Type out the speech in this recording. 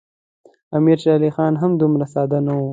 امیر شېر علي خان هم دومره ساده نه وو.